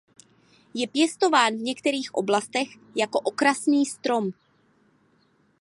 Je pěstován v některých oblastech jako okrasný strom.